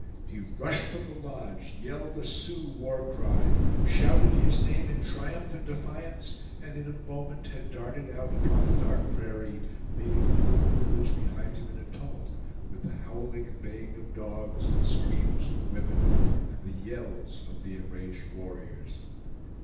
He rushed from the lodge, yelled a Sioux war cry, shouted his name in triumph and defiance, and in a moment had darted out upon the dark prairie, leaving the whole village behind him in a tumult, with the howling and baying of dogs, the screams of women and the yells of the enraged warriors.